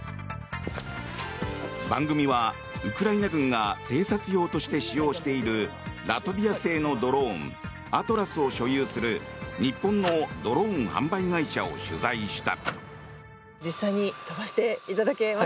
番組はウクライナ軍が偵察用として使用しているラトビア製のドローンアトラスを所有する日本のドローン販売会社を取材した。